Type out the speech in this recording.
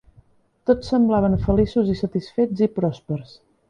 Tots semblaven feliços i satisfets i pròspers.